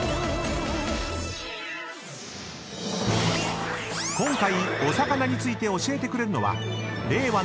［今回お魚について教えてくれるのは］